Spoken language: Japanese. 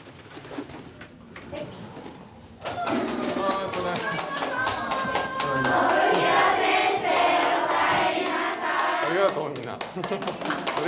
ありがとう。